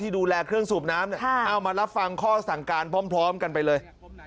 ดูแลเครื่องสูบน้ำเอามารับฟังข้อสั่งการพร้อมกันไปเลย